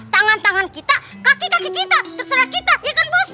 tangan tangan kita kaki kaki kita terserah kita ya kan bos